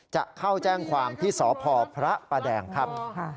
จะเข้าแจ้งความที่สพพระประแดงครับ